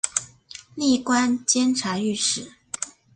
历官监察御史。